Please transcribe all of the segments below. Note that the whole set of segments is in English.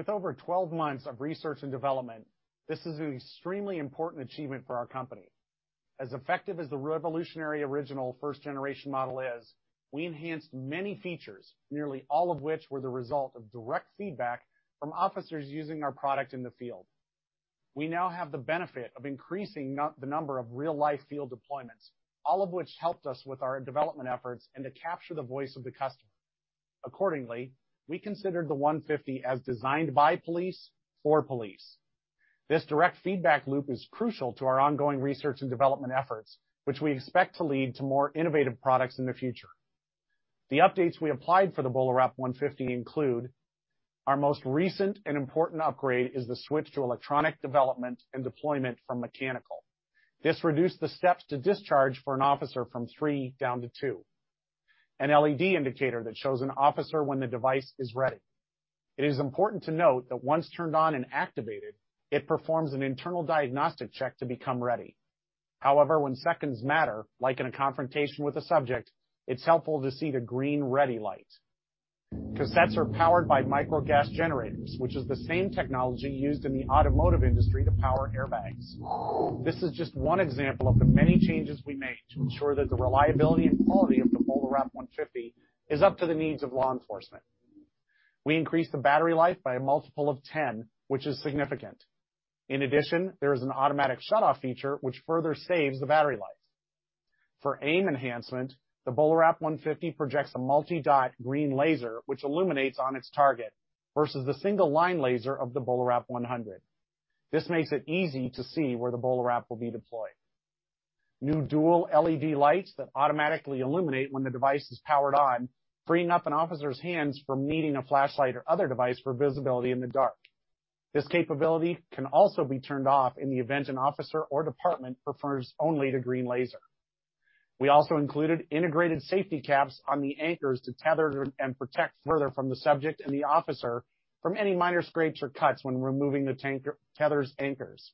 With over 12 months of research and development, this is an extremely important achievement for our company. As effective as the revolutionary original first generation model is, we enhanced many features, nearly all of which were the result of direct feedback from officers using our product in the field. We now have the benefit of increasing the number of real-life field deployments, all of which helped us with our development efforts and to capture the voice of the customer. Accordingly, we considered the 150 as designed by police for police. This direct feedback loop is crucial to our ongoing research and development efforts, which we expect to lead to more innovative products in the future. The updates we applied for the BolaWrap 150 include our most recent and important upgrade is the switch to electronic development and deployment from mechanical. This reduced the steps to discharge for an officer from three down to two. An LED indicator that shows an officer when the device is ready. It is important to note that once turned on and activated, it performs an internal diagnostic check to become ready. However, when seconds matter, like in a confrontation with a subject, it's helpful to see the green ready light. Cassettes are powered by micro gas generators, which is the same technology used in the automotive industry to power airbags. This is just one example of the many changes we made to ensure that the reliability and quality of the BolaWrap 150 is up to the needs of law enforcement. We increased the battery life by a multiple of 10, which is significant. In addition, there is an automatic shutoff feature which further saves the battery life. For aim enhancement, the BolaWrap 150 projects a multi-dot green laser which illuminates on its target, versus the single line laser of the BolaWrap 100. This makes it easy to see where the BolaWrap will be deployed. New dual LED lights that automatically illuminate when the device is powered on, freeing up an officer's hands from needing a flashlight or other device for visibility in the dark. This capability can also be turned off in the event an officer or department prefers only the green laser. We also included integrated safety caps on the anchors to further protect the subject and the officer from any minor scrapes or cuts when removing the tether's anchors.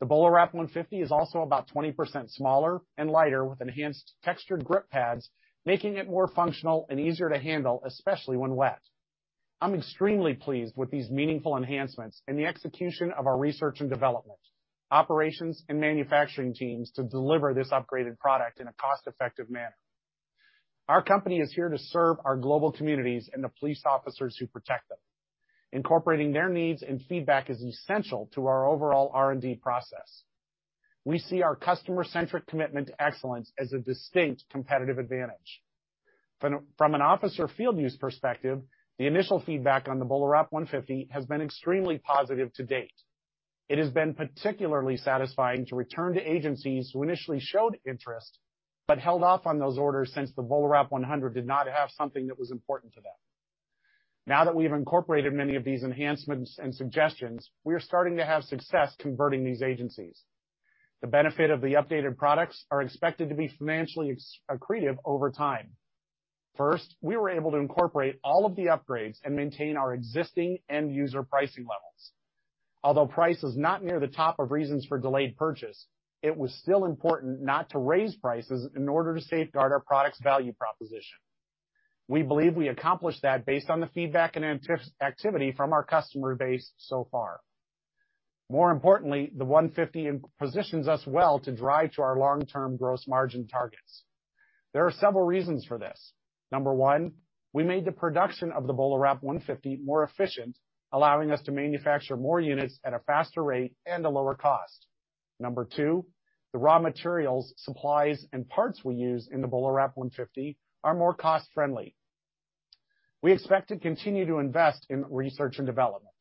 The BolaWrap 150 is also about 20% smaller and lighter with enhanced textured grip pads, making it more functional and easier to handle, especially when wet. I'm extremely pleased with these meaningful enhancements and the execution of our research and development, operations, and manufacturing teams to deliver this upgraded product in a cost-effective manner. Our company is here to serve our global communities and the police officers who protect them. Incorporating their needs and feedback is essential to our overall R&D process. We see our customer-centric commitment to excellence as a distinct competitive advantage. From an officer field use perspective, the initial feedback on the BolaWrap 150 has been extremely positive to date. It has been particularly satisfying to return to agencies who initially showed interest but held off on those orders since the BolaWrap 100 did not have something that was important to them. Now that we've incorporated many of these enhancements and suggestions, we are starting to have success converting these agencies. The benefit of the updated products are expected to be financially accretive over time. First, we were able to incorporate all of the upgrades and maintain our existing end user pricing levels. Although price is not near the top of reasons for delayed purchase, it was still important not to raise prices in order to safeguard our product's value proposition. We believe we accomplished that based on the feedback and initial activity from our customer base so far. More importantly, the 150 positions us well to drive to our long-term gross margin targets. There are several reasons for this. Number one, we made the production of the BolaWrap 150 more efficient, allowing us to manufacture more units at a faster rate and a lower cost. Number two, the raw materials, supplies, and parts we use in the BolaWrap 150 are more cost-friendly. We expect to continue to invest in research and development.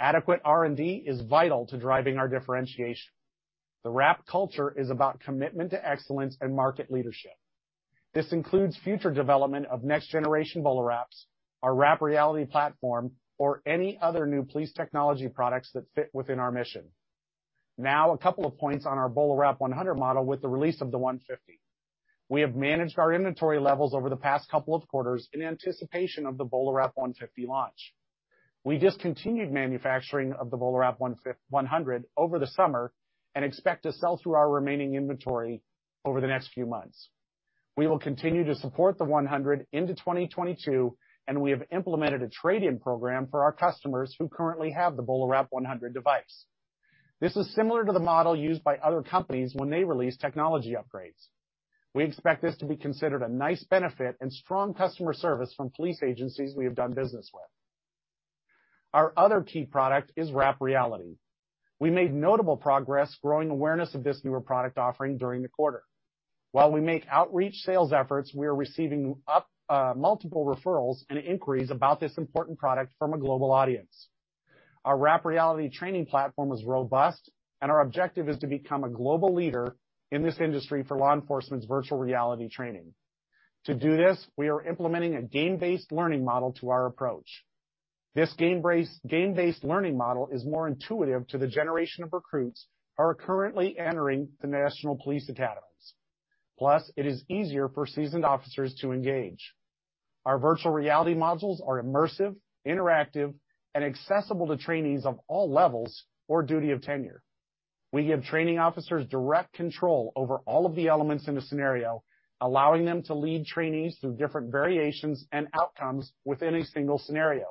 Adequate R&D is vital to driving our differentiation. The Wrap culture is about commitment to excellence and market leadership. This includes future development of next-generation BolaWraps, our Wrap Reality platform, or any other new police technology products that fit within our mission. Now a couple of points on our BolaWrap 100 model with the release of the 150. We have managed our inventory levels over the past couple of quarters in anticipation of the BolaWrap 150 launch. We discontinued manufacturing of the BolaWrap 100 over the summer and expect to sell through our remaining inventory over the next few months. We will continue to support the 100 into 2022, and we have implemented a trade-in program for our customers who currently have the BolaWrap 100 device. This is similar to the model used by other companies when they release technology upgrades. We expect this to be considered a nice benefit and strong customer service from police agencies we have done business with. Our other key product is Wrap Reality. We made notable progress growing awareness of this newer product offering during the quarter. While we make outreach sales efforts, we are receiving multiple referrals and inquiries about this important product from a global audience. Our Wrap Reality training platform is robust, and our objective is to become a global leader in this industry for law enforcement's virtual reality training. To do this, we are implementing a game-based learning model to our approach. This game-based learning model is more intuitive to the generation of recruits who are currently entering the national police academies. Plus, it is easier for seasoned officers to engage. Our virtual reality modules are immersive, interactive, and accessible to trainees of all levels or duty of tenure. We give training officers direct control over all of the elements in a scenario, allowing them to lead trainees through different variations and outcomes within a single scenario.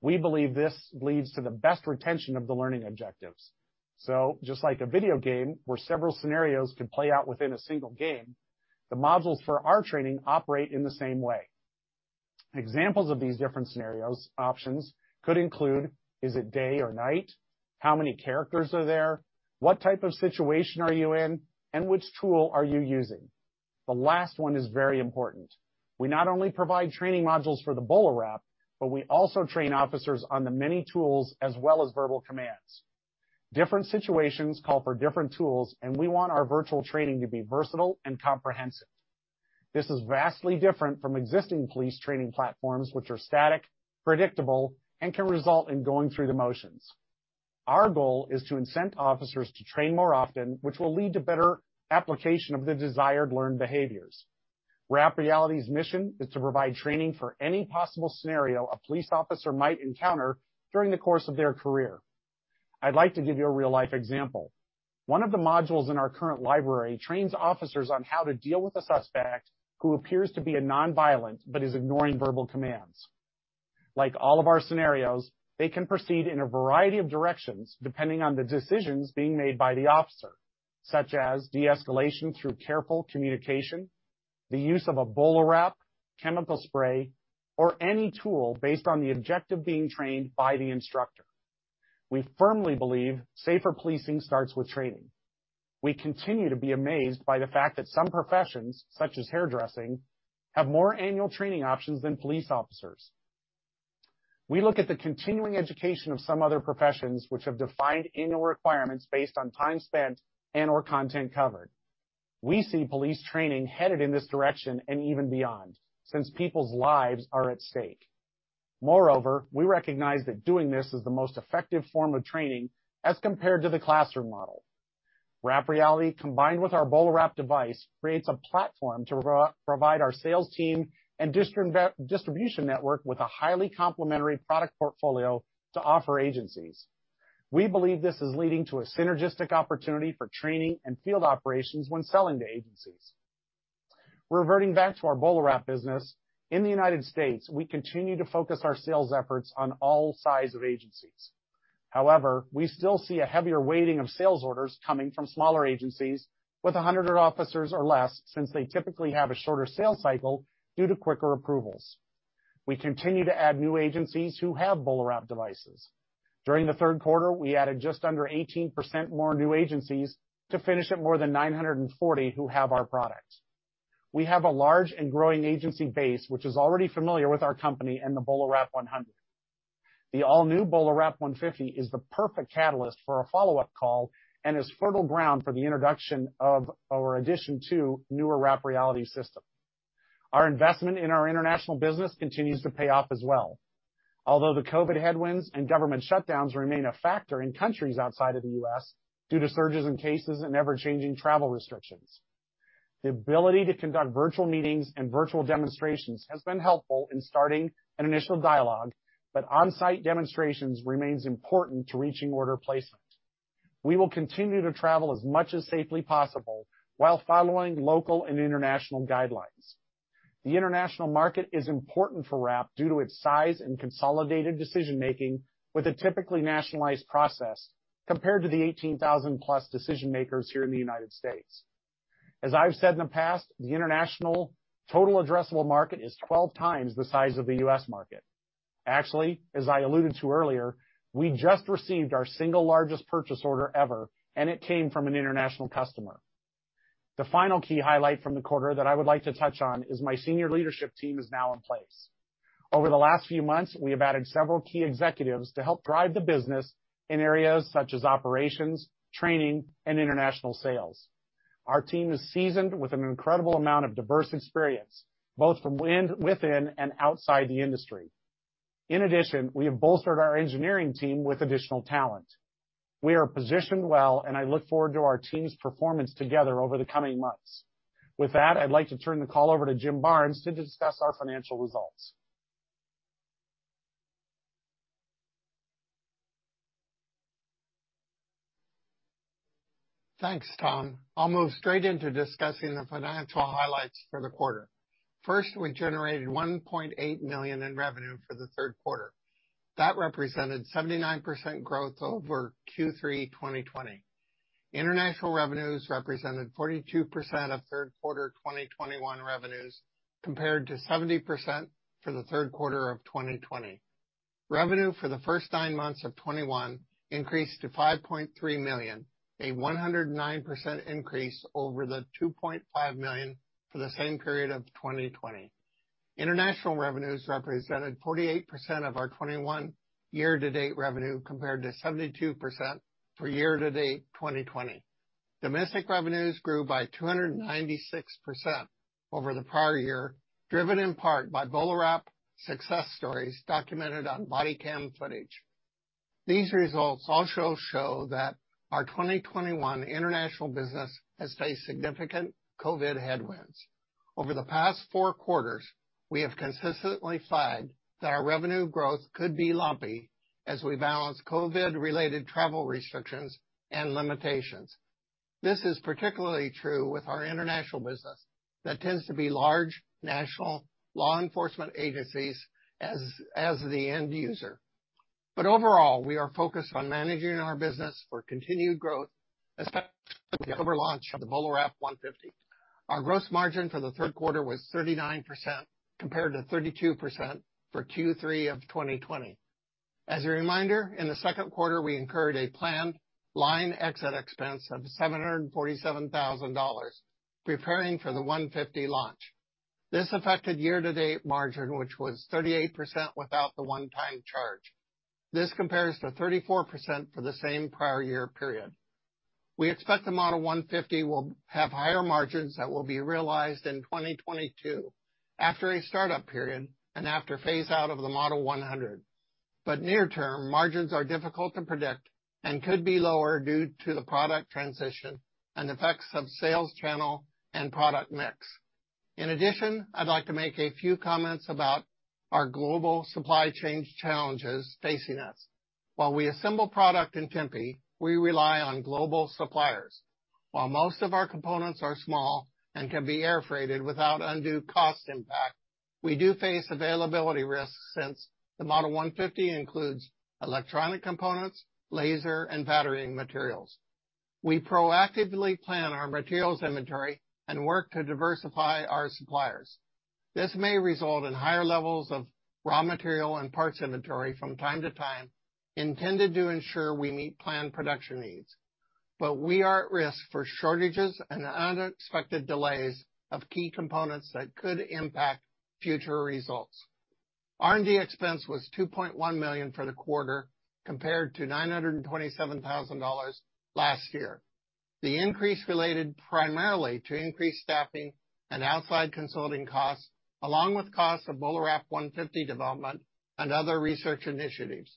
We believe this leads to the best retention of the learning objectives. Just like a video game where several scenarios can play out within a single game, the modules for our training operate in the same way. Examples of these different scenarios options could include, is it day or night? How many characters are there? What type of situation are you in, and which tool are you using? The last one is very important. We not only provide training modules for the BolaWrap, but we also train officers on the many tools as well as verbal commands. Different situations call for different tools, and we want our virtual training to be versatile and comprehensive. This is vastly different from existing police training platforms, which are static, predictable, and can result in going through the motions. Our goal is to incent officers to train more often, which will lead to better application of the desired learned behaviors. Wrap Reality's mission is to provide training for any possible scenario a police officer might encounter during the course of their career. I'd like to give you a real-life example. One of the modules in our current library trains officers on how to deal with a suspect who appears to be a non-violent but is ignoring verbal commands. Like all of our scenarios, they can proceed in a variety of directions depending on the decisions being made by the officer, such as de-escalation through careful communication, the use of a BolaWrap, chemical spray, or any tool based on the objective being trained by the instructor. We firmly believe safer policing starts with training. We continue to be amazed by the fact that some professions, such as hairdressing, have more annual training options than police officers. We look at the continuing education of some other professions which have defined annual requirements based on time spent and/or content covered. We see police training headed in this direction and even beyond, since people's lives are at stake. Moreover, we recognize that doing this is the most effective form of training as compared to the classroom model. Wrap Reality, combined with our BolaWrap device, creates a platform to provide our sales team and distribution network with a highly complementary product portfolio to offer agencies. We believe this is leading to a synergistic opportunity for training and field operations when selling to agencies. Reverting back to our BolaWrap business, in the United States, we continue to focus our sales efforts on all size of agencies. However, we still see a heavier weighting of sales orders coming from smaller agencies with 100 officers or less since they typically have a shorter sales cycle due to quicker approvals. We continue to add new agencies who have BolaWrap devices. During the third quarter, we added just under 18% more new agencies to finish at more than 940 who have our product. We have a large and growing agency base, which is already familiar with our company and the BolaWrap 100. The all-new BolaWrap 150 is the perfect catalyst for a follow-up call and is fertile ground for the introduction of or addition to newer Wrap Reality system. Our investment in our international business continues to pay off as well. Although the COVID headwinds and government shutdowns remain a factor in countries outside of the U.S. due to surges in cases and ever-changing travel restrictions, the ability to conduct virtual meetings and virtual demonstrations has been helpful in starting an initial dialogue, but on-site demonstrations remains important to reaching order placement. We will continue to travel as much as safely possible while following local and international guidelines. The international market is important for Wrap due to its size and consolidated decision-making with a typically nationalized process compared to the 18,000+ decision-makers here in the United States. As I've said in the past, the international total addressable market is 12x the size of the U.S. market. Actually, as I alluded to earlier, we just received our single largest purchase order ever, and it came from an international customer. The final key highlight from the quarter that I would like to touch on is my senior leadership team is now in place. Over the last few months, we have added several key executives to help drive the business in areas such as operations, training, and international sales. Our team is seasoned with an incredible amount of diverse experience, both from within and outside the industry. In addition, we have bolstered our engineering team with additional talent. We are positioned well, and I look forward to our team's performance together over the coming months. With that, I'd like to turn the call over to Jim Barnes to discuss our financial results. Thanks, Tom. I'll move straight into discussing the financial highlights for the quarter. First, we generated $1.8 million in revenue for the third quarter. That represented 79% growth over Q3 2020. International revenues represented 42% of third quarter 2021 revenues compared to 70% for the third quarter of 2020. Revenue for the first nine months of 2021 increased to $5.3 million, a 109% increase over the $2.5 million for the same period of 2020. International revenues represented 48% of our 2021 year-to-date revenue, compared to 72% for year-to-date 2020. Domestic revenues grew by 296% over the prior year, driven in part by BolaWrap success stories documented on body cam footage. These results also show that our 2021 international business has faced significant COVID headwinds. Over the past four quarters, we have consistently flagged that our revenue growth could be lumpy as we balance COVID-related travel restrictions and limitations. This is particularly true with our international business that tends to be large, national law enforcement agencies as the end user. Overall, we are focused on managing our business for continued growth, especially with the October launch of the BolaWrap 150. Our gross margin for the third quarter was 39% compared to 32% for Q3 of 2020. As a reminder, in the second quarter, we incurred a planned line exit expense of $747,000 preparing for the 150 launch. This affected year-to-date margin, which was 38% without the one-time charge. This compares to 34% for the same prior year period. We expect the BolaWrap 150 will have higher margins that will be realized in 2022 after a startup period and after phase out of the BolaWrap 100. Near term, margins are difficult to predict and could be lower due to the product transition and effects of sales channel and product mix. In addition, I'd like to make a few comments about our global supply chains challenges facing us. While we assemble product in Tempe, we rely on global suppliers. While most of our components are small and can be air freighted without undue cost impact, we do face availability risks since the BolaWrap 150 includes electronic components, laser and patterning materials. We proactively plan our materials inventory and work to diversify our suppliers. This may result in higher levels of raw material and parts inventory from time to time, intended to ensure we meet planned production needs. We are at risk for shortages and unexpected delays of key components that could impact future results. R&D expense was $2.1 million for the quarter, compared to $927,000 last year. The increase related primarily to increased staffing and outside consulting costs, along with costs of BolaWrap 150 development and other research initiatives.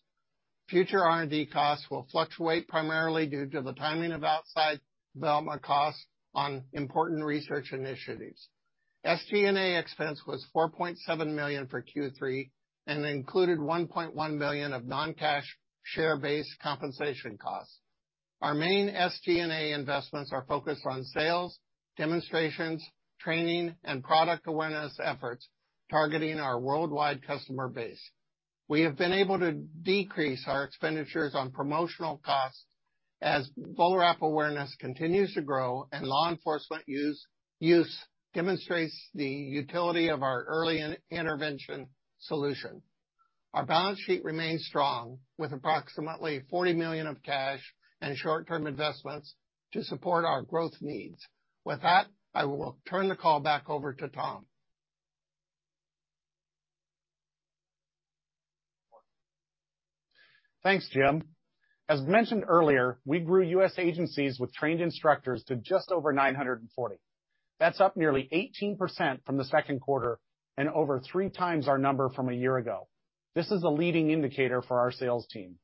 Future R&D costs will fluctuate primarily due to the timing of outside development costs on important research initiatives. SG&A expense was $4.7 million for Q3 and included $1.1 million of non-cash share-based compensation costs. Our main SG&A investments are focused on sales, demonstrations, training, and product awareness efforts targeting our worldwide customer base. We have been able to decrease our expenditures on promotional costs as BolaWrap awareness continues to grow and law enforcement use demonstrates the utility of our early intervention solution. Our balance sheet remains strong with approximately $40 million of cash and short-term investments to support our growth needs. With that, I will turn the call back over to Tom. Thanks, Jim. As mentioned earlier, we grew U.S. agencies with trained instructors to just over 940. That's up nearly 18% from the second quarter and over 3x our number from a year ago. This is a leading indicator for our sales team.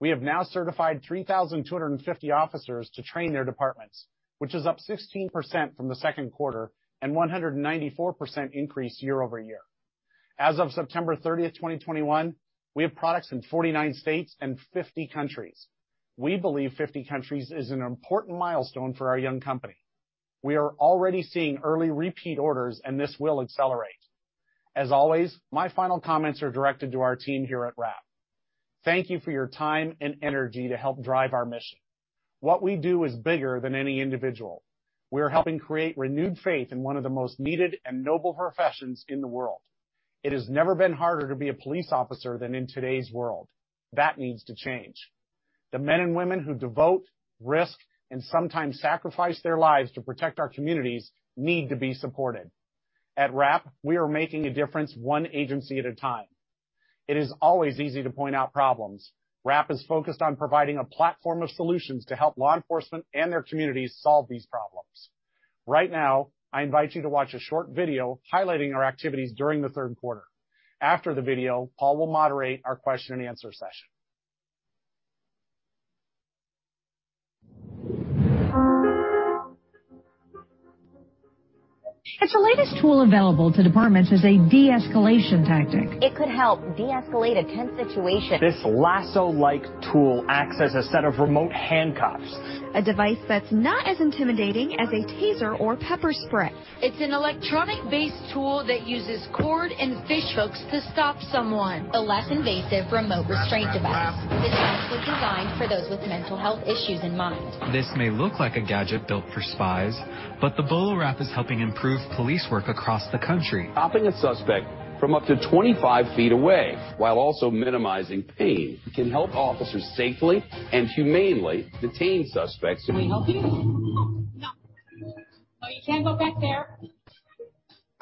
We have now certified 3,250 officers to train their departments, which is up 16% from the second quarter and 194% increase year-over-year. As of September 30th, 2021, we have products in 49 states and 50 countries. We believe 50 countries is an important milestone for our young company. We are already seeing early repeat orders, and this will accelerate. As always, my final comments are directed to our team here at Wrap. Thank you for your time and energy to help drive our mission. What we do is bigger than any individual. We are helping create renewed faith in one of the most needed and noble professions in the world. It has never been harder to be a police officer than in today's world. That needs to change. The men and women who devote, risk, and sometimes sacrifice their lives to protect our communities need to be supported. At Wrap, we are making a difference one agency at a time. It is always easy to point out problems. Wrap is focused on providing a platform of solutions to help law enforcement and their communities solve these problems. Right now, I invite you to watch a short video highlighting our activities during the third quarter. After the video, Paul will moderate our question-and-answer session. It's the latest tool available to departments as a de-escalation tactic. It could help deescalate a tense situation. This lasso-like tool acts as a set of remote handcuffs. A device that's not as intimidating as a Taser or pepper spray. It's an electronic-based tool that uses cord and fishhooks to stop someone. A less invasive remote restraint device. Wrap. Device was designed for those with mental health issues in mind. This may look like a gadget built for spies, but the BolaWrap is helping improve police work across the country. Stopping a suspect from up to 25 feet away, while also minimizing pain. It can help officers safely and humanely detain suspects. Can we help you? No. No, you can't go back there.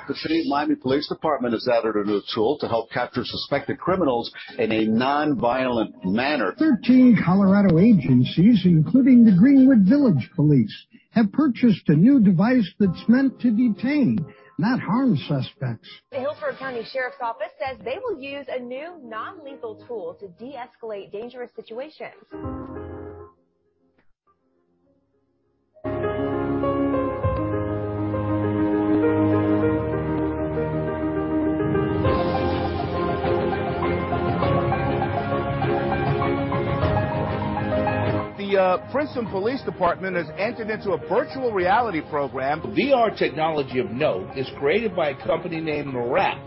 The City of Miami Police Department has added a new tool to help capture suspected criminals in a non-violent manner. 13 Colorado agencies, including the Greenwood Village Police, have purchased a new device that's meant to detain, not harm suspects. The Hillsborough County Sheriff's Office says they will use a new non-lethal tool to deescalate dangerous situations. The Princeton Police Department has entered into a virtual reality program. The VR technology of note is created by a company named Wrap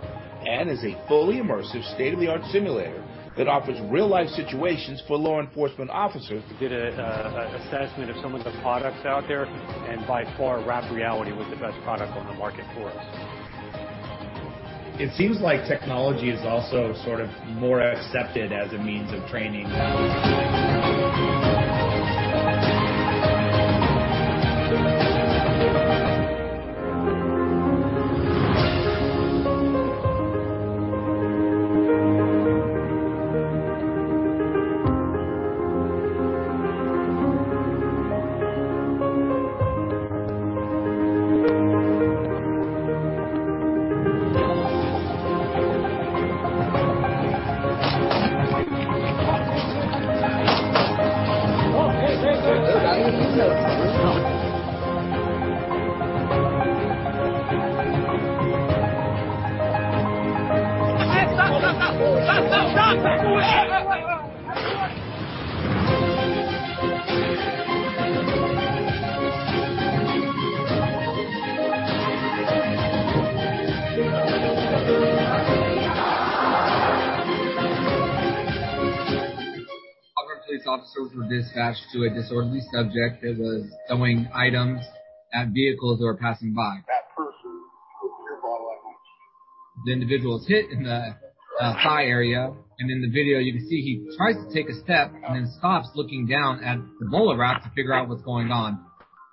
and is a fully immersive state-of-the-art simulator that offers real-life situations for law enforcement officers. We did an assessment of some of the products out there, and by far, Wrap Reality was the best product on the market for us. It seems like technology is also sort of more accepted as a means of training now. Hey, hey. That is enough. We're done. Stop. Hey. Auburn police officers were dispatched to a disorderly subject that was throwing items at vehicles that were passing by. That person was hit by a BolaWrap. The individual was hit in the thigh area, and in the video you can see he tries to take a step and then stops, looking down at the BolaWrap to figure out what's going on.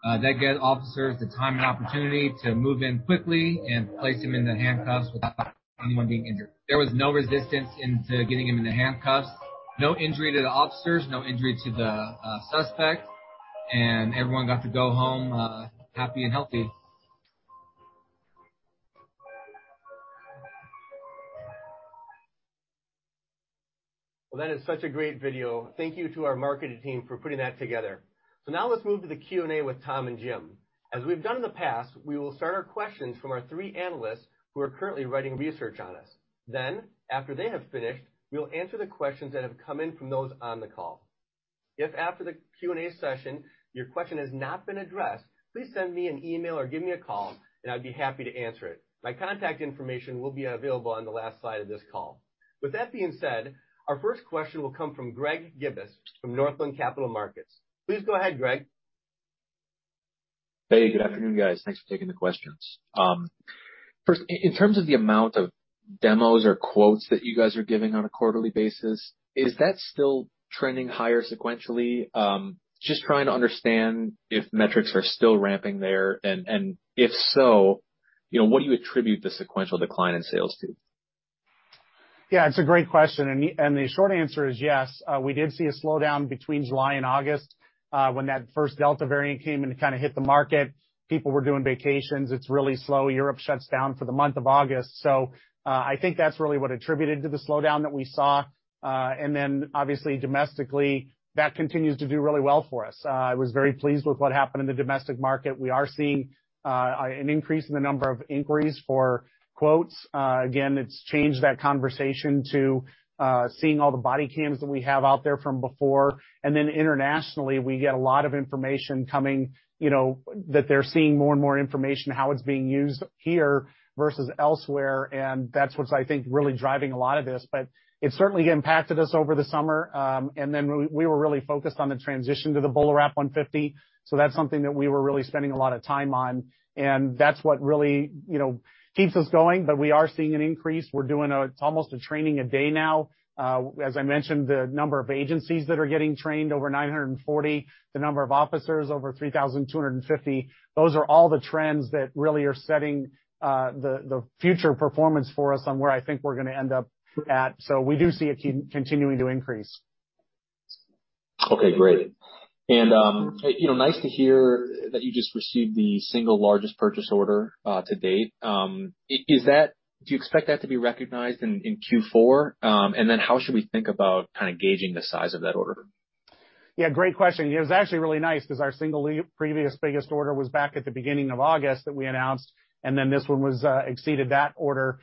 That gives officers the time and opportunity to move in quickly and place him into handcuffs without anyone being injured. There was no resistance into getting him into handcuffs, no injury to the officers, no injury to the suspect, and everyone got to go home happy and healthy. Well, that is such a great video. Thank you to our marketing team for putting that together. Now let's move to the Q&A with Tom and Jim. As we've done in the past, we will start our questions from our three analysts who are currently writing research on us. Then, after they have finished, we will answer the questions that have come in from those on the call. If after the Q&A session, your question has not been addressed, please send me an email or give me a call, and I'd be happy to answer it. My contact information will be available on the last slide of this call. With that being said, our first question will come from Greg Gibas from Northland Capital Markets. Please go ahead, Greg. Hey, good afternoon, guys. Thanks for taking the questions. First, in terms of the amount of demos or quotes that you guys are giving on a quarterly basis, is that still trending higher sequentially? Just trying to understand if metrics are still ramping there. If so, you know, what do you attribute the sequential decline in sales to? Yeah, it's a great question. The short answer is yes. We did see a slowdown between July and August, when that first Delta variant came and it kinda hit the market. People were doing vacations. It's really slow. Europe shuts down for the month of August. I think that's really what attributed to the slowdown that we saw. Obviously domestically, that continues to do really well for us. I was very pleased with what happened in the domestic market. We are seeing an increase in the number of inquiries for quotes. Again, it's changed that conversation to seeing all the body cams that we have out there from before. Internationally, we get a lot of information coming, you know, that they're seeing more and more information, how it's being used here versus elsewhere, and that's what's, I think, really driving a lot of this. It certainly impacted us over the summer. We were really focused on the transition to the BolaWrap 150, so that's something that we were really spending a lot of time on, and that's what really, you know, keeps us going. We are seeing an increase. We're doing almost a training a day now. As I mentioned, the number of agencies that are getting trained over 940, the number of officers over 3,250, those are all the trends that really are setting the future performance for us on where I think we're gonna end up at. We do see it continuing to increase. Okay, great. You know, nice to hear that you just received the single largest purchase order to date. Do you expect that to be recognized in Q4? How should we think about kinda gauging the size of that order? Yeah, great question. It was actually really nice 'cause our previous biggest order was back at the beginning of August that we announced, and then this one exceeded that order.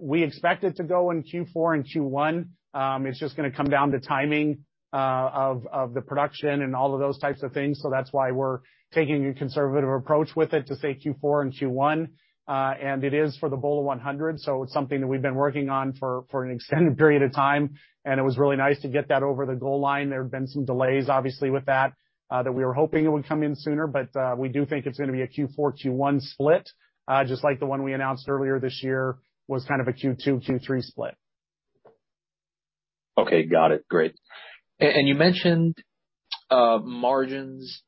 We expect it to go in Q4 and Q1. It's just gonna come down to timing of the production and all of those types of things. That's why we're taking a conservative approach with it to say Q4 and Q1. It is for the Bola 100, so it's something that we've been working on for an extended period of time, and it was really nice to get that over the goal line. There have been some delays, obviously, with that that we were hoping it would come in sooner, but we do think it's gonna be a Q4, Q1 split, just like the one we announced earlier this year was kind of a Q2, Q3 split. Okay. Got it. Great. You mentioned margins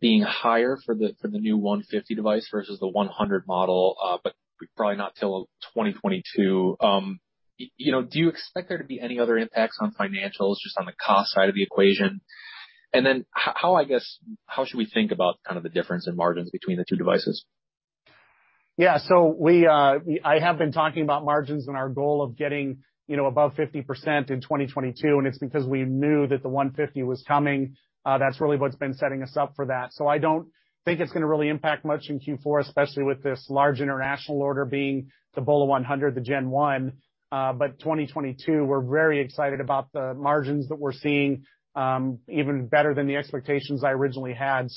being higher for the new 150 device versus the 100 model, but probably not till 2022. You know, do you expect there to be any other impacts on financials just on the cost side of the equation? Then how, I guess, should we think about kind of the difference in margins between the two devices? Yeah. I have been talking about margins and our goal of getting, you know, above 50% in 2022, and it's because we knew that the 150 was coming. That's really what's been setting us up for that. I don't think it's gonna really impact much in Q4, especially with this large international order being the BolaWrap 100, the Gen 1. In 2022, we're very excited about the margins that we're seeing, even better than the expectations I originally had.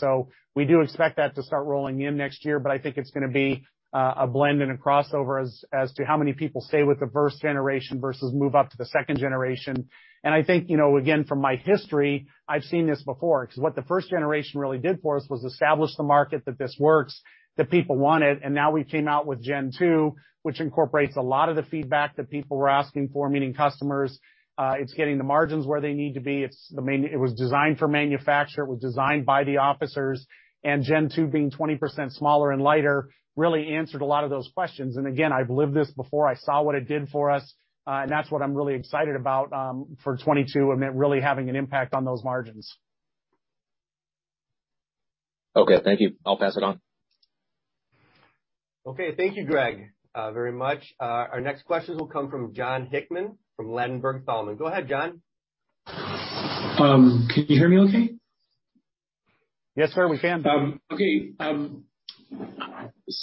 We do expect that to start rolling in next year, but I think it's gonna be a blend and a crossover as to how many people stay with the first generation versus move up to the second generation. I think, you know, again, from my history, I've seen this before 'cause what the first generation really did for us was establish the market that this works, that people want it. Now we came out with Gen 2, which incorporates a lot of the feedback that people were asking for, meaning customers. It's getting the margins where they need to be. It was designed for manufacture. It was designed by the officers. Gen 2 being 20% smaller and lighter really answered a lot of those questions. Again, I've lived this before. I saw what it did for us, and that's what I'm really excited about, for 2022 and it really having an impact on those margins. Okay. Thank you. I'll pass it on. Okay. Thank you, Greg, very much. Our next question will come from Jon Hickman from Ladenburg Thalmann. Go ahead, Jon. Can you hear me okay? Yes, sir, we can. Okay.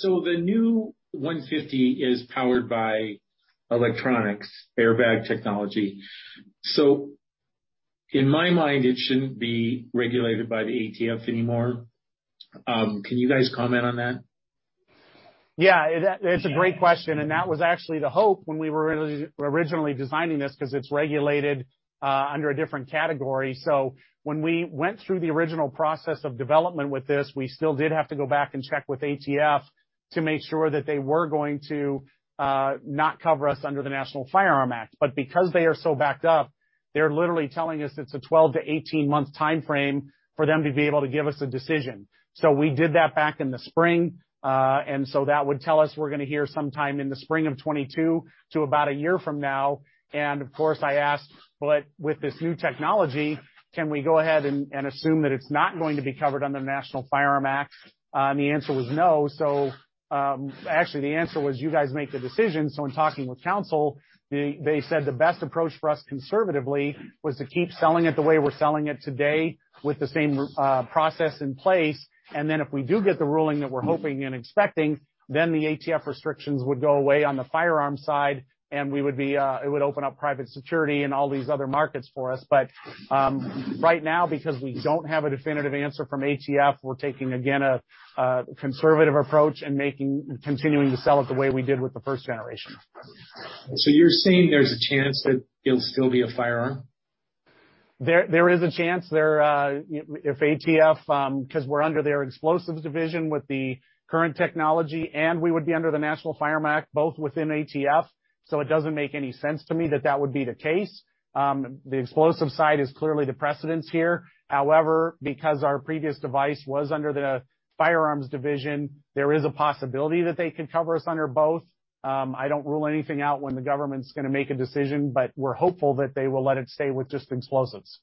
The new 150 is powered by electronic airbag technology. In my mind, it shouldn't be regulated by the ATF anymore. Can you guys comment on that? Yeah. That's a great question, and that was actually the hope when we were originally designing this because it's regulated under a different category. When we went through the original process of development with this, we still did have to go back and check with ATF to make sure that they were going to not cover us under the National Firearms Act. But because they are so backed up, they're literally telling us it's a 12-18-month timeframe for them to be able to give us a decision. We did that back in the spring, and so that would tell us we're gonna hear sometime in the spring of 2022 to about a year from now. Of course, I asked, "But with this new technology, can we go ahead and assume that it's not going to be covered under the National Firearms Act?" The answer was no. Actually, the answer was, "You guys make the decision." In talking with counsel, they said the best approach for us conservatively was to keep selling it the way we're selling it today with the same process in place. Then if we do get the ruling that we're hoping and expecting, the ATF restrictions would go away on the firearm side, and it would open up private security and all these other markets for us. Right now, because we don't have a definitive answer from ATF, we're taking, again, a conservative approach and continuing to sell it the way we did with the first generation. You're saying there's a chance that it'll still be a firearm? There is a chance if ATF, 'cause we're under their explosives division with the current technology, and we would be under the National Firearms Act, both within ATF, so it doesn't make any sense to me that would be the case. The explosives side is clearly the precedent here. However, because our previous device was under the firearms division, there is a possibility that they could cover us under both. I don't rule anything out when the government's gonna make a decision, but we're hopeful that they will let it stay with just explosives.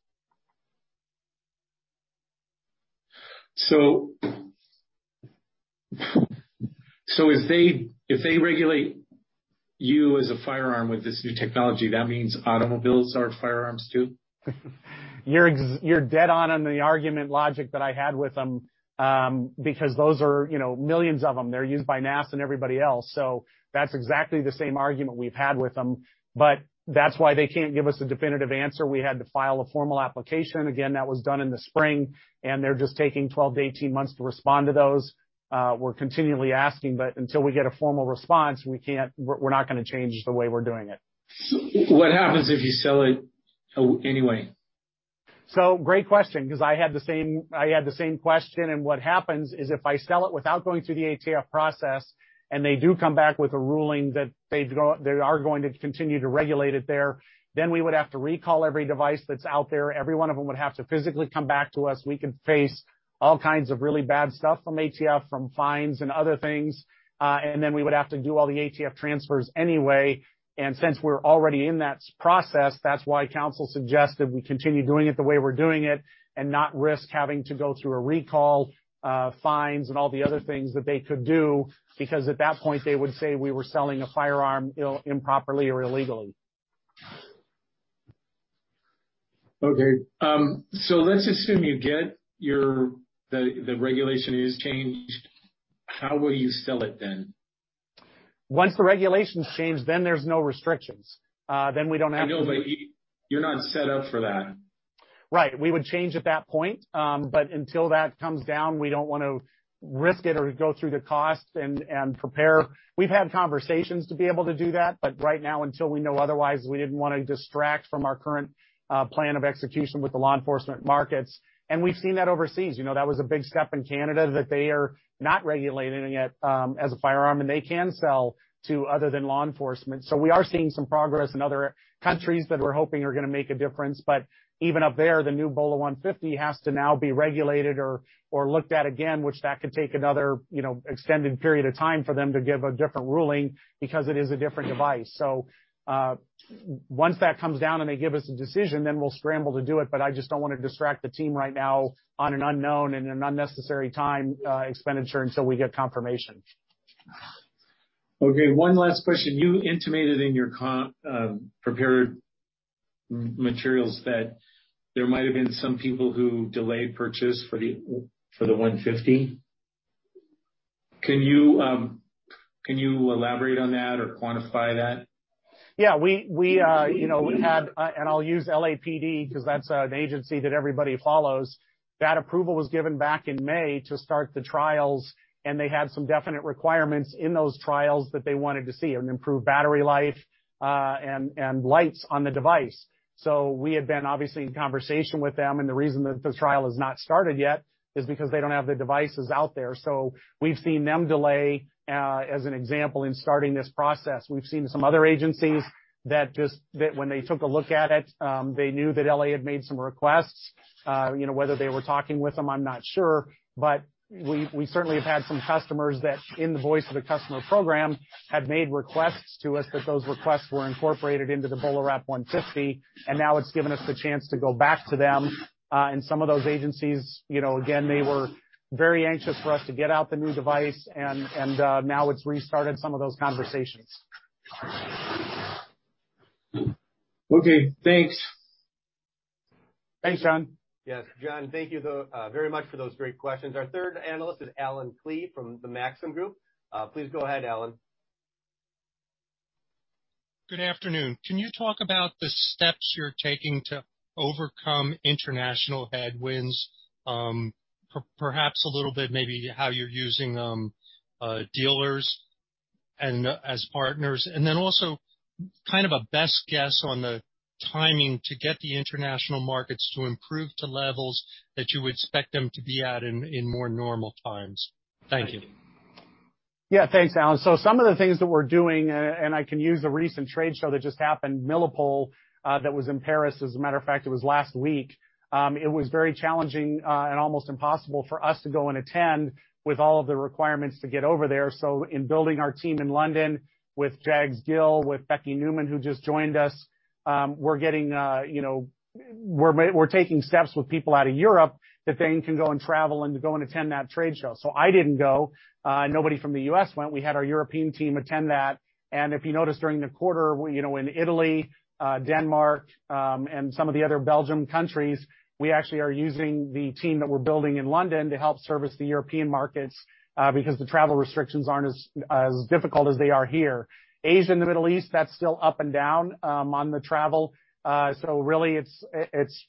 If they regulate you as a firearm with this new technology, that means automobiles are firearms, too? You're dead on the argument logic that I had with them, because those are, you know, millions of them. They're used by NASA and everybody else. That's exactly the same argument we've had with them. That's why they can't give us a definitive answer. We had to file a formal application. Again, that was done in the spring, and they're just taking 12-18 months to respond to those. We're continually asking, but until we get a formal response, we can't. We're not gonna change the way we're doing it. What happens if you sell it anyway? Great question 'cause I had the same question. What happens is if I sell it without going through the ATF process and they do come back with a ruling that they are going to continue to regulate it there, then we would have to recall every device that's out there. Every one of them would have to physically come back to us. We could face all kinds of really bad stuff from ATF, from fines and other things. Then we would have to do all the ATF transfers anyway. Since we're already in that process, that's why counsel suggested we continue doing it the way we're doing it and not risk having to go through a recall, fines and all the other things that they could do, because at that point, they would say we were selling a firearm improperly or illegally. Okay. Let's assume the regulation is changed. How will you sell it then? Once the regulations change, then there's no restrictions. We don't have to- I know, but you're not set up for that. Right. We would change at that point. Until that comes down, we don't want to risk it or go through the costs and prepare. We've had conversations to be able to do that, but right now, until we know otherwise, we didn't wanna distract from our current plan of execution with the law enforcement markets. We've seen that overseas. You know, that was a big step in Canada that they are not regulating it as a firearm, and they can sell to other than law enforcement. We are seeing some progress in other countries that we're hoping are gonna make a difference. Even up there, the new BolaWrap 150 has to now be regulated or looked at again, which could take another, you know, extended period of time for them to give a different ruling because it is a different device. Once that comes down and they give us a decision, then we'll scramble to do it. I just don't wanna distract the team right now on an unknown and an unnecessary time expenditure until we get confirmation. Okay, one last question. You intimated in your prepared materials that there might have been some people who delayed purchase for the 150. Can you elaborate on that or quantify that? Yeah. We you know we had and I'll use LAPD because that's an agency that everybody follows. That approval was given back in May to start the trials, and they had some definite requirements in those trials that they wanted to see, an improved battery life and lights on the device. We had been obviously in conversation with them, and the reason that the trial has not started yet is because they don't have the devices out there. We've seen them delay as an example in starting this process. We've seen some other agencies that just when they took a look at it, they knew that LA had made some requests. You know whether they were talking with them, I'm not sure. We certainly have had some customers that, in the voice of the customer program, have made requests to us that those requests were incorporated into the BolaWrap 150, and now it's given us the chance to go back to them. Some of those agencies, you know, again, they were very anxious for us to get out the new device and now it's restarted some of those conversations. Okay, thanks. Thanks, Jon. Yes. Jon, thank you very much for those great questions. Our third analyst is Allen Klee from the Maxim Group. Please go ahead, Allen. Good afternoon. Can you talk about the steps you're taking to overcome international headwinds? Perhaps a little bit maybe how you're using dealers and as partners, and then also kind of a best guess on the timing to get the international markets to improve to levels that you would expect them to be at in more normal times. Thank you. Yeah. Thanks, Allen. Some of the things that we're doing, and I can use a recent trade show that just happened, Milipol, that was in Paris. As a matter of fact, it was last week. It was very challenging and almost impossible for us to go and attend with all of the requirements to get over there. In building our team in London with Jag Gill, with Becky Newman, who just joined us, we're getting, you know, we're taking steps with people out of Europe that they can go and travel and go and attend that trade show. I didn't go. Nobody from the U.S. went. We had our European team attend that. If you notice, during the quarter, you know, in Italy, Denmark, and some of the other Benelux countries, we actually are using the team that we're building in London to help service the European markets, because the travel restrictions aren't as difficult as they are here. Asia and the Middle East, that's still up and down on the travel. Really it's,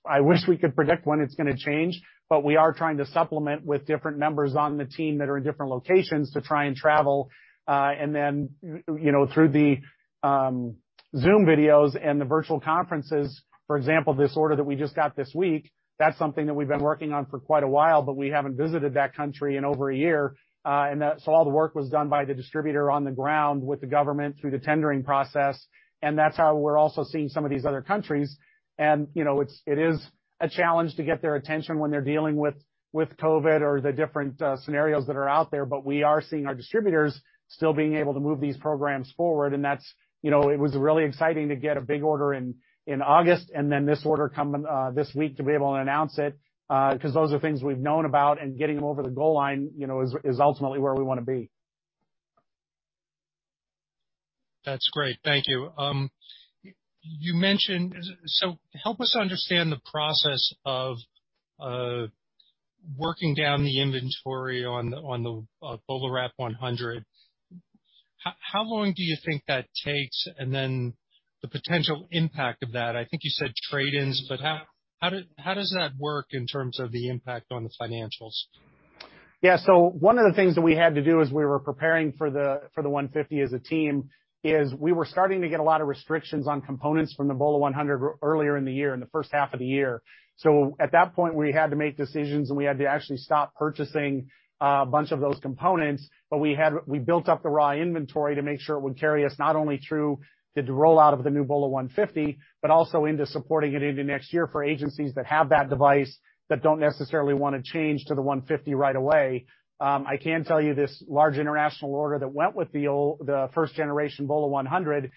I wish we could predict when it's gonna change, but we are trying to supplement with different members on the team that are in different locations to try and travel, and then, you know, through the Zoom videos and the virtual conferences. For example, this order that we just got this week, that's something that we've been working on for quite a while, but we haven't visited that country in over a year. All the work was done by the distributor on the ground with the government through the tendering process, and that's how we're also seeing some of these other countries. You know, it is a challenge to get their attention when they're dealing with COVID or the different scenarios that are out there. But we are seeing our distributors still being able to move these programs forward. You know, it was really exciting to get a big order in August and then this order coming this week to be able to announce it, 'cause those are things we've known about and getting them over the goal line, you know, is ultimately where we wanna be. That's great. Thank you. You mentioned. Help us understand the process of working down the inventory on the BolaWrap 100. How long do you think that takes? Then the potential impact of that. I think you said trade-ins, but how does that work in terms of the impact on the financials? Yeah. One of the things that we had to do as we were preparing for the 150 as a team is we were starting to get a lot of restrictions on components from the BolaWrap 100 earlier in the year, in the first half of the year. At that point, we had to make decisions, and we had to actually stop purchasing a bunch of those components. We built up the raw inventory to make sure it would carry us not only through the rollout of the new BolaWrap 150, but also into supporting it into next year for agencies that have that device that don't necessarily wanna change to the 150 right away. I can tell you this large international order that went with the first generation BolaWrap 100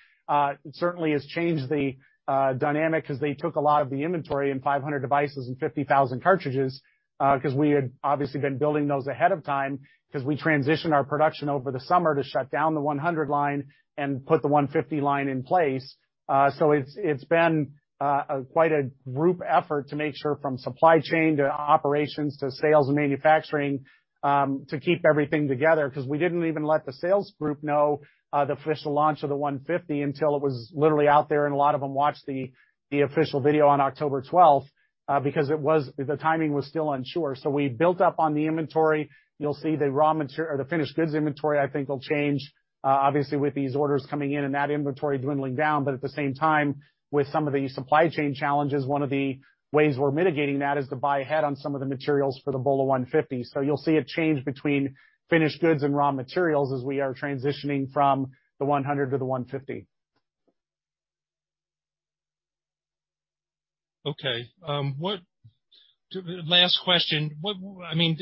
certainly has changed the dynamic 'cause they took a lot of the inventory and 500 devices and 50,000 cartridges 'cause we had obviously been building those ahead of time 'cause we transitioned our production over the summer to shut down the 100 line and put the 150 line in place. It's been quite a group effort to make sure from supply chain to operations to sales and manufacturing to keep everything together 'cause we didn't even let the sales group know the official launch of the 150 until it was literally out there, and a lot of them watched the official video on October 12th, 2021 because the timing was still unsure. We built up on the inventory. You'll see the raw materials or the finished goods inventory I think will change, obviously with these orders coming in and that inventory dwindling down. At the same time, with some of the supply chain challenges, one of the ways we're mitigating that is to buy ahead on some of the materials for the BolaWrap 150. You'll see a change between finished goods and raw materials as we are transitioning from the 100 to the 150. Okay. Last question. I mean,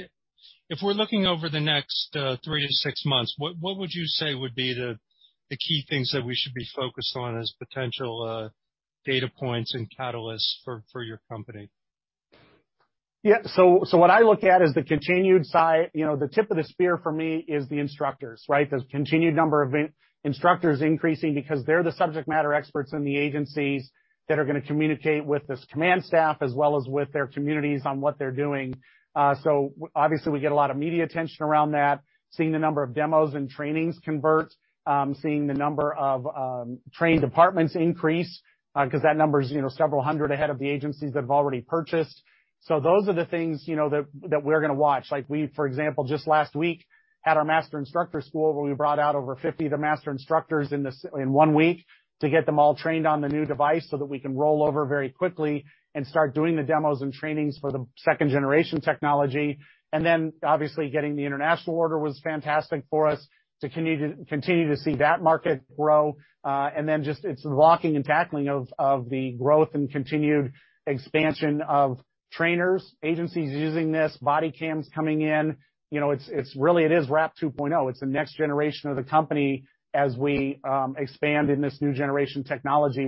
if we're looking over the next three to six months, what would you say would be the key things that we should be focused on as potential data points and catalysts for your company? Yeah. What I look at is the continued side. You know, the tip of the spear for me is the instructors, right? There's continued number of instructors increasing because they're the subject matter experts in the agencies that are gonna communicate with this command staff as well as with their communities on what they're doing. So obviously, we get a lot of media attention around that, seeing the number of demos and trainings convert, seeing the number of trained departments increase, 'cause that number is, you know, several hundred ahead of the agencies that have already purchased. Those are the things, you know, that we're gonna watch. Like we, for example, just last week had our master instructor school, where we brought out over 50 of the master instructors in one week to get them all trained on the new device so that we can roll over very quickly and start doing the demos and trainings for the second generation technology. Then obviously getting the international order was fantastic for us to continue to see that market grow. Then just it's the blocking and tackling of the growth and continued expansion of trainers, agencies using this, body cams coming in. You know, it's really it is Wrap 2.0. It's the next generation of the company as we expand in this new generation technology.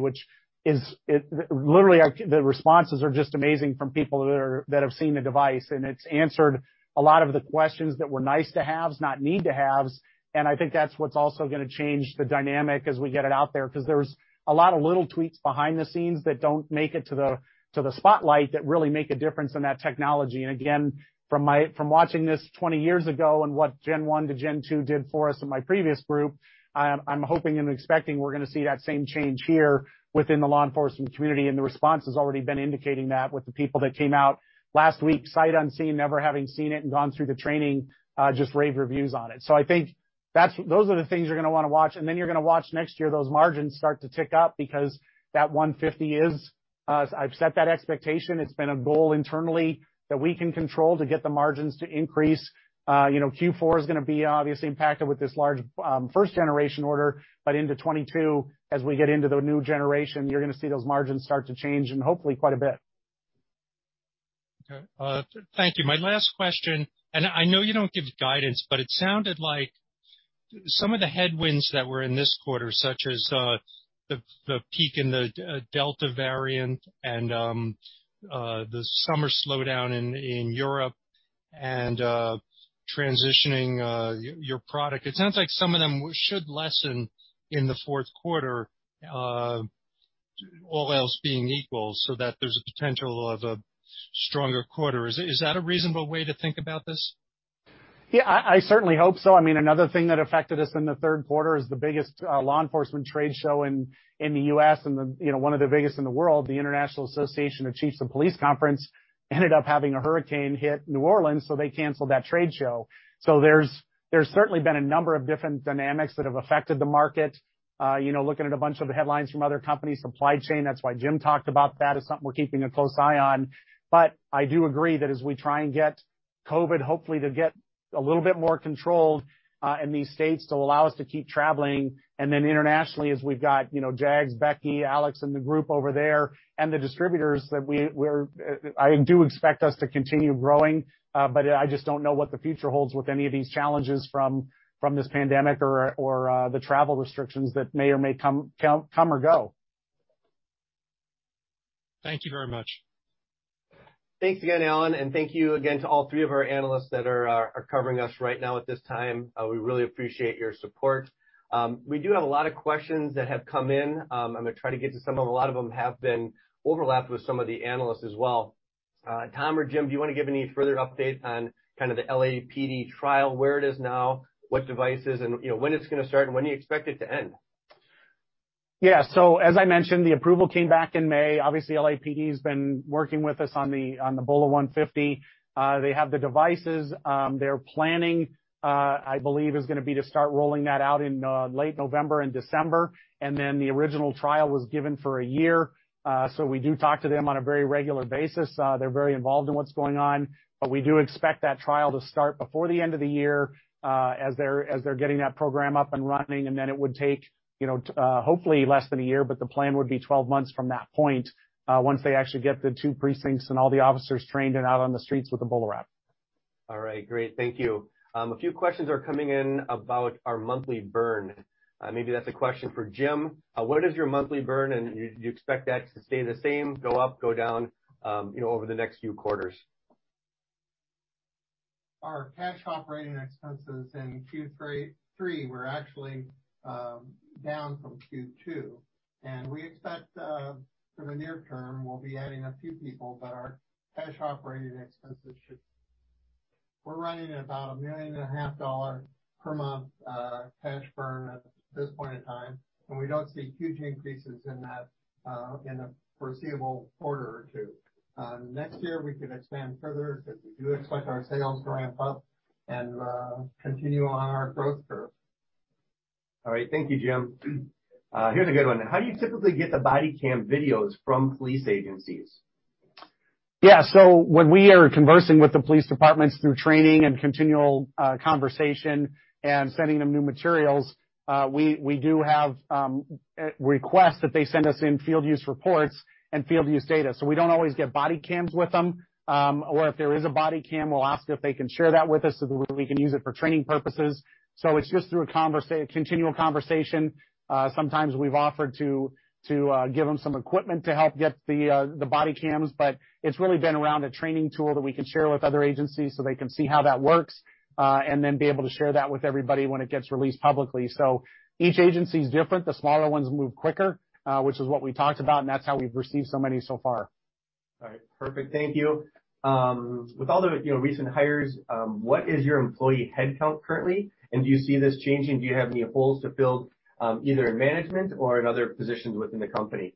The responses are just amazing from people that have seen the device, and it's answered a lot of the questions that were nice to haves, not need to haves. I think that's what's also gonna change the dynamic as we get it out there, 'cause there's a lot of little tweaks behind the scenes that don't make it to the spotlight that really make a difference in that technology. Again, from watching this 20 years ago and what Gen 1 to Gen 2 did for us in my previous group, I'm hoping and expecting we're gonna see that same change here within the law enforcement community. The response has already been indicating that with the people that came out last week, sight unseen, never having seen it and gone through the training, just rave reviews on it. I think that those are the things you're gonna wanna watch. You're gonna watch next year, those margins start to tick up because that 150 is, I've set that expectation. It's been a goal internally that we can control to get the margins to increase. You know, Q4 is gonna be obviously impacted with this large, first generation order. But into 2022, as we get into the new generation, you're gonna see those margins start to change and hopefully quite a bit. Okay. Thank you. My last question, and I know you don't give guidance, but it sounded like some of the headwinds that were in this quarter, such as the peak in the Delta variant and the summer slowdown in Europe and transitioning your product. It sounds like some of them should lessen in the fourth quarter, all else being equal, so that there's a potential of a stronger quarter. Is that a reasonable way to think about this? Yeah. I certainly hope so. I mean, another thing that affected us in the third quarter is the biggest law enforcement trade show in the U.S. and, you know, one of the biggest in the world, the International Association of Chiefs of Police Conference, ended up having a hurricane hit New Orleans, so they canceled that trade show. There's certainly been a number of different dynamics that have affected the market. You know, looking at a bunch of the headlines from other companies, supply chain, that's why Jim talked about that as something we're keeping a close eye on. I do agree that as we try and get COVID hopefully to get a little bit more controlled, in these states to allow us to keep traveling, and then internationally, as we've got, you know, Jags, Becky, Alex, and the group over there and the distributors I do expect us to continue growing. I just don't know what the future holds with any of these challenges from this pandemic or the travel restrictions that may come or go. Thank you very much. Thanks again, Allen, and thank you again to all three of our analysts that are covering us right now at this time. We really appreciate your support. I'm gonna try to get to some of them. A lot of them have been overlapped with some of the analysts as well. Tom or Jim, do you wanna give any further update on kind of the LAPD trial, where it is now, what devices and, you know, when it's gonna start, and when do you expect it to end? Yeah. As I mentioned, the approval came back in May. Obviously, LAPD has been working with us on the BolaWrap 150. They have the devices. Their planning, I believe, is gonna be to start rolling that out in late November and December. The original trial was given for a year. We do talk to them on a very regular basis. They're very involved in what's going on. We do expect that trial to start before the end of the year, as they're getting that program up and running. It would take, you know, hopefully less than a year, but the plan would be 12 months from that point, once they actually get the 2 precincts and all the officers trained and out on the streets with the BolaWrap. All right. Great. Thank you. A few questions are coming in about our monthly burn. Maybe that's a question for Jim. What is your monthly burn, and do you expect that to stay the same, go up, go down, you know, over the next few quarters? Our cash operating expenses in Q3 2021 were actually down from Q2. We expect for the near term, we'll be adding a few people, but our cash operating expenses, we're running at about $1.5 million per month cash burn at this point in time, and we don't see huge increases in that in the foreseeable quarter or two. Next year, we could expand further because we do expect our sales to ramp up and continue on our growth curve. All right. Thank you, Jim. Here's a good one. How do you typically get the body cam videos from police agencies? Yeah. When we are conversing with the police departments through training and continual conversation and sending them new materials, we do have requests that they send us in field use reports and field use data. We don't always get body cams with them. Or if there is a body cam, we'll ask if they can share that with us so that we can use it for training purposes. It's just through a continual conversation. Sometimes we've offered to give them some equipment to help get the body cams, but it's really been around a training tool that we can share with other agencies so they can see how that works, and then be able to share that with everybody when it gets released publicly. Each agency is different. The smaller ones move quicker, which is what we talked about, and that's how we've received so many so far. All right. Perfect. Thank you. With all the, you know, recent hires, what is your employee headcount currently and do you see this changing? Do you have any holes to fill, either in management or in other positions within the company?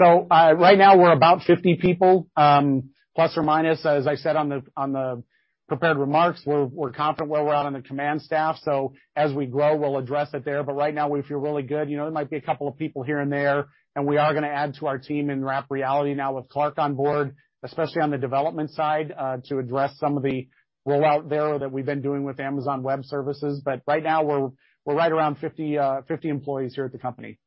Right now we're about 50 people, plus or minus. As I said on the prepared remarks, we're confident where we're at on the command staff, so as we grow, we'll address it there. Right now we feel really good. You know, there might be a couple of people here and there, and we are gonna add to our team in Wrap Reality now with Clark on board, especially on the development side, to address some of the rollout there that we've been doing with Amazon Web Services. Right now we're right around 50 employees here at the company.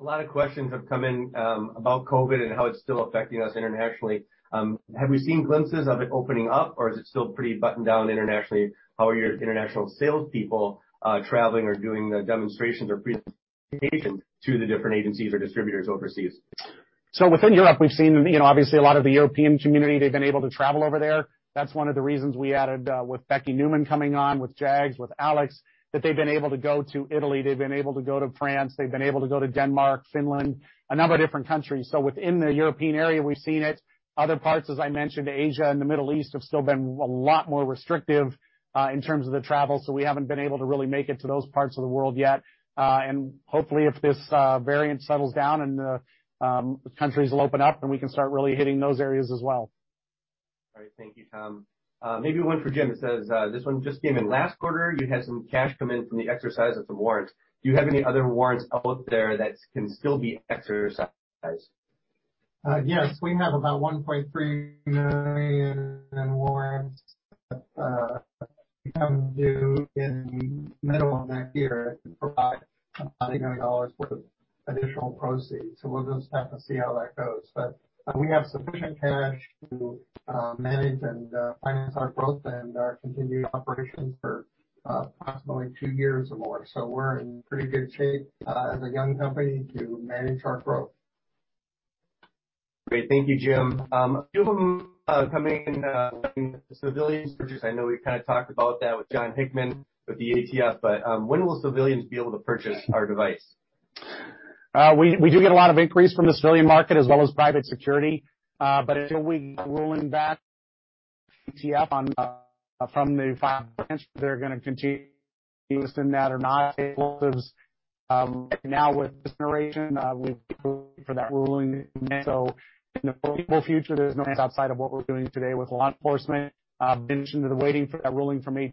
A lot of questions have come in, about COVID and how it's still affecting us internationally. Have we seen glimpses of it opening up or is it still pretty buttoned down internationally? How are your international salespeople, traveling or doing the demonstrations or presentations to the different agencies or distributors overseas? Within Europe, we've seen, you know, obviously a lot of the European community, they've been able to travel over there. That's one of the reasons we added with Becky Newman coming on, with Jags, with Alex, that they've been able to go to Italy, they've been able to go to France, they've been able to go to Denmark, Finland, a number of different countries. Within the European area we've seen it. Other parts, as I mentioned, Asia and the Middle East, have still been a lot more restrictive in terms of the travel, so we haven't been able to really make it to those parts of the world yet. Hopefully if this variant settles down and countries will open up and we can start really hitting those areas as well. All right. Thank you, Tom. Maybe one for Jim. It says, this one just came in last quarter, you had some cash come in from the exercise of some warrants. Do you have any other warrants out there that can still be exercised? Yes, we have about 1.3 million in warrants become due in the middle of next year to provide [$100 million] worth of additional proceeds. We'll just have to see how that goes. We have sufficient cash to manage and finance our growth and our continued operations for possibly two years or more. We're in pretty good shape as a young company to manage our growth. Great. Thank you, Jim. I know we kind of talked about that with Jon Hickman with the ATF, but when will civilians be able to purchase our device? We do get a lot of inquiries from the civilian market as well as private security. Until we get a ruling back from the ATF firearm branch, they're gonna continue to not be able to use them. Right now with this generation, we're waiting for that ruling. In the foreseeable future, there's nothing outside of what we're doing today with law enforcement. As mentioned, waiting for that ruling from ATF.